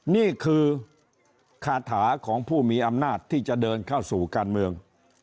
นี่คือคาถาของผู้มีอำนาจที่จะเดินเข้าสู่การเมือง